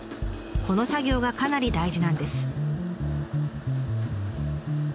この作業がかなり大事なんです。